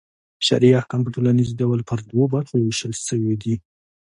شرعي احکام په ټوليز ډول پر دوو برخو وېشل سوي دي.